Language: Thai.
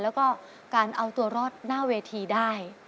แล้วก็การเอาตัวรอดหน้าเวทีได้